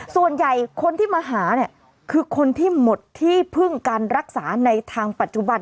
ส่วนใหญ่คนที่มาหาเนี่ยคือคนที่หมดที่พึ่งการรักษาในทางปัจจุบัน